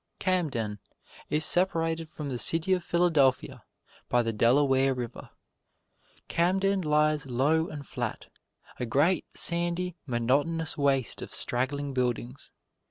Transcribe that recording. Camden is separated from the city of Philadelphia by the Delaware River. Camden lies low and flat a great, sandy, monotonous waste of straggling buildings.